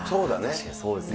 確かにそうですよね。